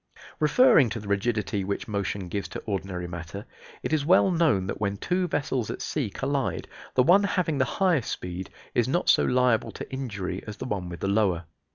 Referring to the rigidity which motion gives to ordinary matter, it is well known that when two vessels at sea collide the one having the higher speed is not so liable to injury as the one with the lower.